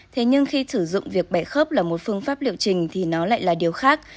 thế nhưng khi sử dụng việc bẻ khớp là một phương pháp liệu trình thì nó lại là điều khác